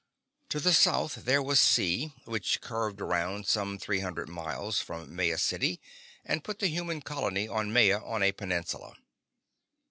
To the south there was sea, which curved around some three hundred miles from Maya City and put the human colony on Maya on a peninsula.